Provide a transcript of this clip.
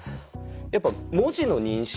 やっぱ文字の認識。